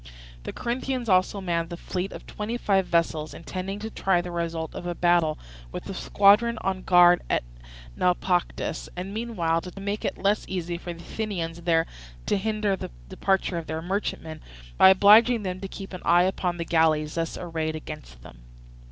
The Corinthians also manned a fleet of twenty five vessels, intending to try the result of a battle with the squadron on guard at Naupactus, and meanwhile to make it less easy for the Athenians there to hinder the departure of their merchantmen, by obliging them to keep an eye upon the galleys thus arrayed against them.